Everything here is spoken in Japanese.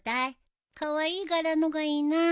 カワイイ柄のがいいな。